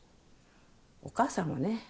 お母さんはね